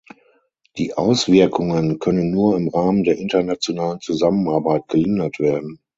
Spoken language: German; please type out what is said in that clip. Die Auswirkungen können nur im Rahmen der internationalen Zusammenarbeit gelindert werden.